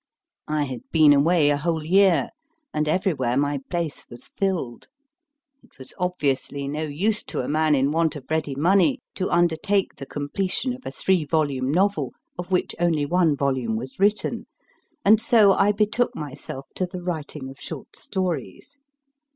I had been away a whole year, and everywhere my place was filled. It was obviously no use to a man in want of ready money to undertake the completion of a three volume novel of which only one volume was written, and so I betook myself to the writing of short stories.